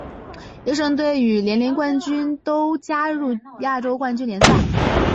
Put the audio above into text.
优胜队与联赛冠军都加入亚洲冠军联赛。